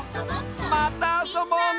またあそぼうね！